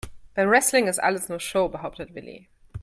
Beim Wrestling ist alles nur Show, behauptet Willi.